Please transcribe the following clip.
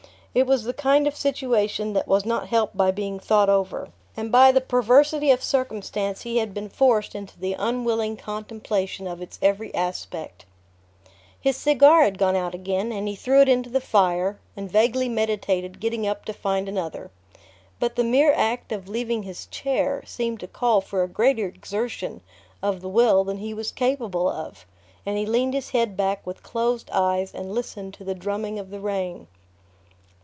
It was the kind of situation that was not helped by being thought over; and by the perversity of circumstance he had been forced into the unwilling contemplation of its every aspect... His cigar had gone out again, and he threw it into the fire and vaguely meditated getting up to find another. But the mere act of leaving his chair seemed to call for a greater exertion of the will than he was capable of, and he leaned his head back with closed eyes and listened to the drumming of the rain.